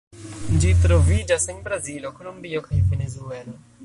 Ĝi troviĝas en Brazilo, Kolombio kaj Venezuelo.